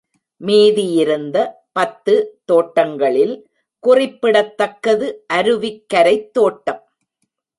மீதியிருந்த பத்து தோட்டங்களில் குறிப்பிடத்தக்கது அருவிக்கரைத்தோட்டம்.